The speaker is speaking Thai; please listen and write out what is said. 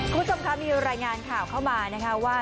คุณผู้ชมคะมีรายงานข่าวเข้ามานะคะว่า